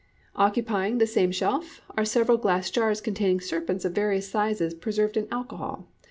Occupying the same shelf are several glass jars containing serpents of various sizes preserved in alcohol.